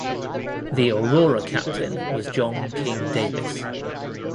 The "Aurora" captain was John King Davis.